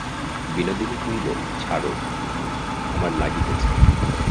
বিনোদিনী কহিল, ছাড়ো, আমার লাগিতেছে।